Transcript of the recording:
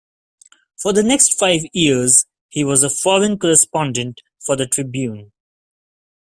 For the next five years, he was a foreign correspondent for the Tribune.